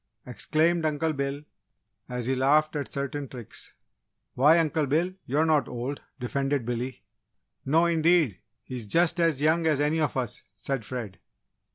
exclaimed Uncle Bill, as he laughed at certain tricks. "Why, Uncle Bill! You're not old," defended Billy. "No indeed, he is just as young as any of us!" said Fred.